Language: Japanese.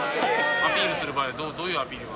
アピールする場合はどういうアピールが？